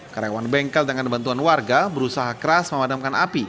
karyawan bengkel dengan bantuan warga berusaha keras memadamkan api